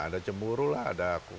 ada cemburu lah ada aku